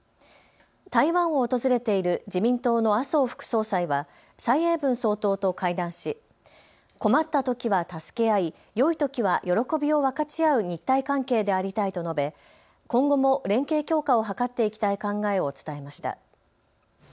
台湾を訪れている自民党の麻生副総裁は蔡英文総統と会談し困ったときは助け合い、よいときは喜びを分かち合う日台関係でありたいと述べ、今後も連携強化を図っていきたい考えを伝えました。